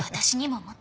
もっと。